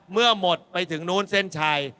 เมื่อหมดไปถึงนู้นเส้นชัย